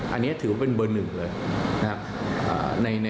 อันนี้ถือว่าเป็นเบอร์หนึ่งเลยนะครับ